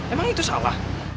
emang itu salah